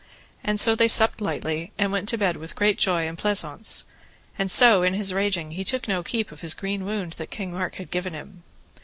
And so they supped lightly, and went to bed with great joy and pleasaunce; and so in his raging he took no keep of his green wound that King Mark had given him.